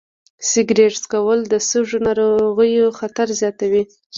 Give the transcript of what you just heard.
سګرټ څکول د سږو ناروغیو خطر زیاتوي.